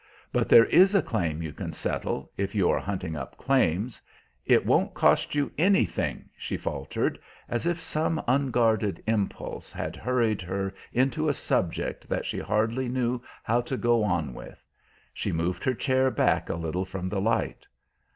But there is a claim you can settle, if you are hunting up claims. It won't cost you anything," she faltered, as if some unguarded impulse had hurried her into a subject that she hardly knew how to go on with. She moved her chair back a little from the light.